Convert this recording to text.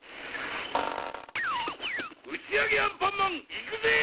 ・うちあげアンパンマンいくぜ！